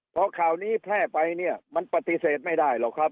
พอข่าวนี้แพร่ไปเนี่ยมันปฏิเสธไม่ได้หรอกครับ